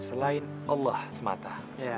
selain allah semata